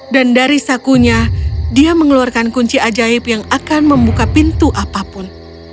dan dari sakunya dia mengeluarkan kunci ajaib yang akan membuka pintu apapun